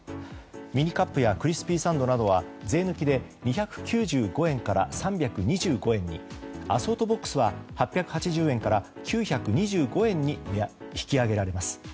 ミニカップやクリスピーサンドなどは税抜きで２９５円から３２５円にアソートボックスは８８０円から９２５円に引き上げられます。